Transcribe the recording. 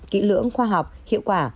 kỹ lưỡng khoa học hiệu quả